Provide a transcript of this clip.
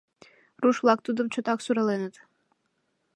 Руш-влак тудым чотак сураленыт.